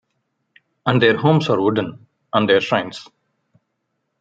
And their homes are wooden and their shrines.